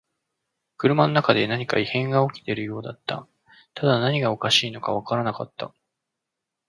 車の中で何か異変が起きているようだった。ただ何がおかしいのかわからなかった。